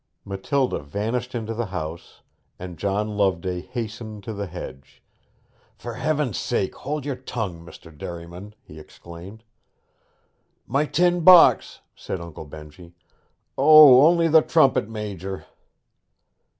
Matilda vanished into the house, and John Loveday hastened to the hedge. 'For heaven's sake, hold your tongue, Mr. Derriman!' he exclaimed. 'My tin box!' said Uncle Benjy. 'O, only the trumpet major!'